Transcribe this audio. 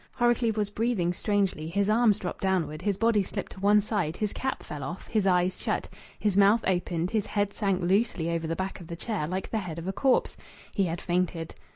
Horrocleave was breathing strangely, his arms dropped downward, his body slipped to one side, his cap fell off, his eyes shut, his mouth opened, his head sank loosely over the back of the chair like the head of a corpse. He had fainted.